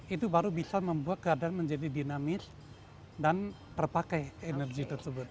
itu baru bisa membuat keadaan menjadi dinamis dan terpakai energi tersebut